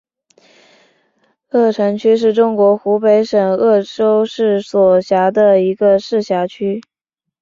鄂城区是中国湖北省鄂州市所辖的一个市辖区。